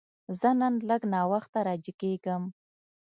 زه نن لږ ناوخته راجیګیږم